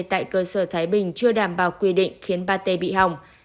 tại cơ sở thái bình chưa đảm bảo quy định khiến pate bị hỏng